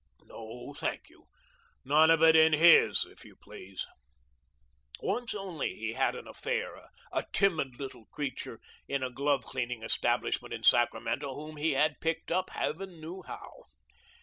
No, thank you; none of it in HIS, if you please. Once only he had an affair a timid, little creature in a glove cleaning establishment in Sacramento, whom he had picked up, Heaven knew how.